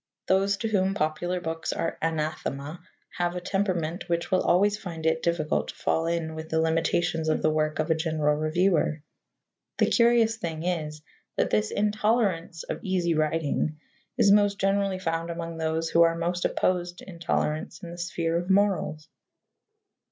Those to whom popular books are anathema have a temperament which will always find it difficult to fall in with the limitations of the work of a general reviewer. The curious thing is that this intolerance of easy writing is most generally found among those who are most opposed to intolerance in the sphere of morals.